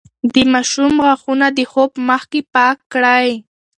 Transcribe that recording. د ماشوم غاښونه د خوب مخکې پاک کړئ.